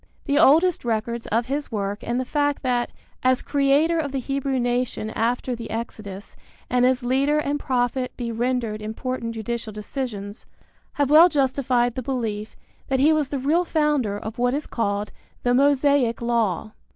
The oldest records of his work and the fact that, as creator of the Hebrew nation after the Exodus and as leader and prophet be rendered important judicial decisions, have well justified the belief that he was the real founder of what is called the Mosaic Law.